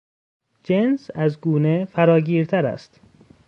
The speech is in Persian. جنس از گونه فراگیرتر است.